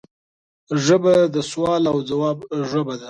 ژبه د سوال او ځواب ژبه ده